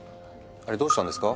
あれどうしたんですか？